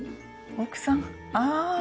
奥さんあん。